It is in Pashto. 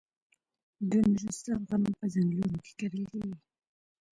د نورستان غنم په ځنګلونو کې کرل کیږي.